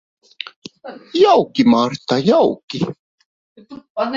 Jauki, Marta, jauki.